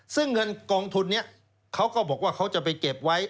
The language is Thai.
ซึ่งเงินกองทุนนี้เขาก็บอกว่าเขาจะไปเก็บไว้